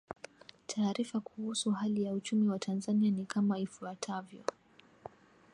Taarifa kuhusu hali ya uchumi wa Tanzania ni kama ifuatavyo